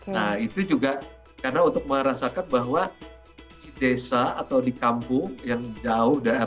nah itu juga karena untuk merasakan bahwa di desa atau di kampung yang jauh